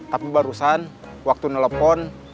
tapi barusan waktu nelepon